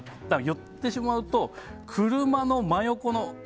寄ってしまうと、車の真横の。